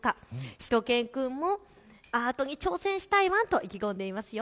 しゅと犬くんもアートに挑戦したいワン！と意気込んでいますよ。